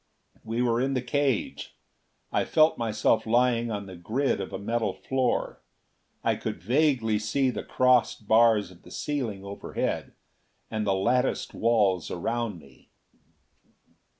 We were in the cage. I felt myself lying on the grid of a metal floor. I could vaguely see the crossed bars of the ceiling overhead, and the latticed walls around me....